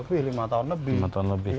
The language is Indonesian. ini juga udah lebih lima tahun lebih